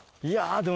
でも